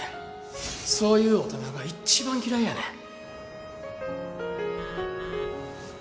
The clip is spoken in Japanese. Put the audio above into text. そういう大人が一番嫌いやねん。